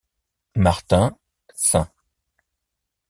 Martin, St.